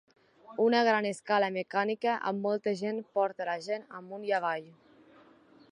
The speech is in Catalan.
Una gran escala mecànica amb molta gent porta la gent amunt i avall.